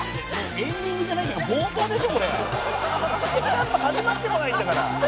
「エンディングじゃないんだから」「キャンプ始まってもないんだから」